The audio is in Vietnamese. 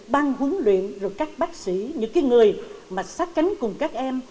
ban huấn luyện các bác sĩ những người sát cánh cùng các em